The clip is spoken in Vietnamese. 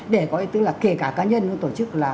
để có ý tức là kể cả cá nhân trong tổ chức là